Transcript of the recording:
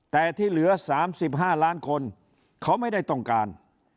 แต่ที่เหลือ๓๕ล้านคนเขาไม่ได้ต้องการ